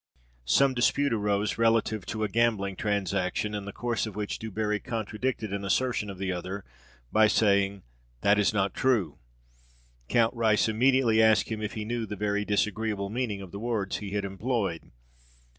Some dispute arose relative to a gambling transaction, in the course of which Du Barri contradicted an assertion of the other, by saying "That is not true!" Count Rice immediately asked him if he knew the very disagreeable meaning of the words he had employed.